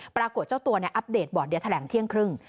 ปรากฏเจ้าตัวอัปเดตบอร์ดเดี๋ยวแถลงเที่ยงครึ่ง